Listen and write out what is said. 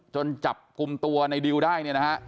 จนจับกลุ่มตัวในดิวได้